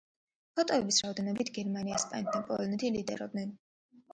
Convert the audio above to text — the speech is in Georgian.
ფოტოების რაოდენობით გერმანია, ესპანეთი და პოლონეთი ლიდერობდნენ.